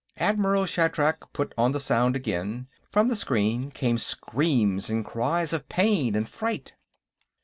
Admiral Shatrak put on the sound again; from the screen came screams and cries of pain and fright.